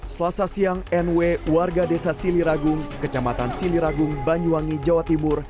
selasa siang nw warga desa siliragung kecamatan siliragung banyuwangi jawa timur